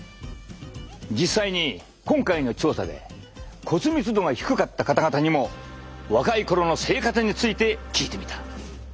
実際に今回の調査で骨密度が低かった方々にも若いころの生活について聞いてみた。